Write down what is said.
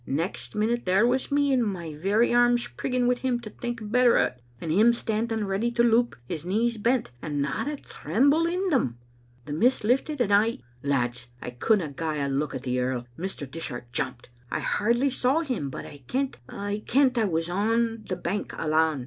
Next minute there was me, my very arms prigging wi' him to think better o't, and him standing ready to loup, his knees bent, and not a tremble in them. The mist lifted, and I Lads, I couldna gie a look to the earl. Mr. Dishart jumped; I hardly saw him, but I kent, I kent, for I was on the bank alane.